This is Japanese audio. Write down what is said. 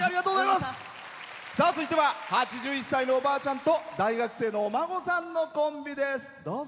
続いては８１歳のおばあちゃんと大学生のお孫さんのコンビです。